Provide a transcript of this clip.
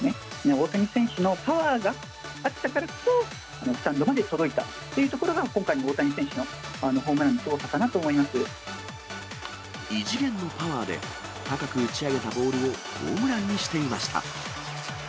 大谷選手のパワーがあったからこそ、スタンドまで届いたっていうところが、今回の大谷選手のホー異次元のパワーで、高く打ち上げたボールをホームランにしていました。